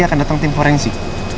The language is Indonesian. akan datang tim forensik